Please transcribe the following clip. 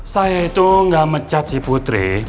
saya itu nggak mecat si putri